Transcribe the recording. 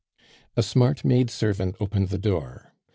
A smart maid servant opened the door.